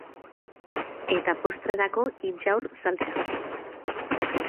Eta postrerako intxaur-saltsa.